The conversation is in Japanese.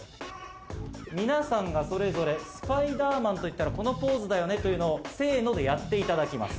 皆さんがそれぞれスパイダーマンといったらこのポーズだよねというのをせのでやっていただきます。